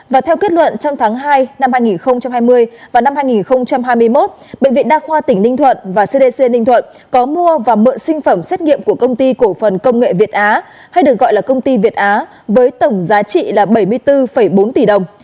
và theo kết luận trong tháng hai năm hai nghìn hai mươi và năm hai nghìn hai mươi một bệnh viện đa khoa tỉnh ninh thuận và cdc ninh thuận có mua và mượn sinh phẩm xét nghiệm của công ty cổ phần công nghệ việt á hay được gọi là công ty việt á với tổng giá trị là bảy mươi bốn bốn tỷ đồng